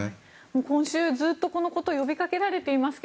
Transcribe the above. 今週、ずっとこのことが呼びかけられていますが